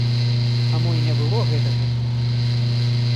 А мо і не было гэтага?